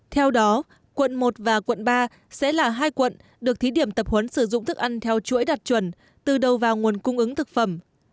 theo đó quận một và quận ba sẽ là hai quận được thí điểm tập huấn sử dụng thức ăn theo chuỗi đạt chuẩn từ đầu vào nguồn cung ứng thực phẩm